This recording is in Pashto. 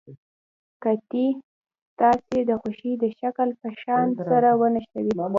قطي ستاسې د خوښې د شکل په شان سره ونښلوئ.